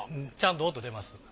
ちゃんと音出ます。